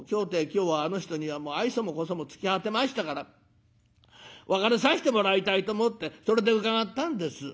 今日はあの人には愛想も小想も尽き果てましたから別れさしてもらいたいと思ってそれで伺ったんです」。